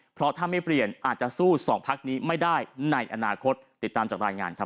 เพราะถ้าไม่เปลี่ยนอาจจะสู้สองพักนี้ไม่ได้ในอนาคตติดตามจากรายงานครับ